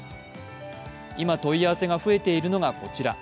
今、問い合わせが増えているのがこちら。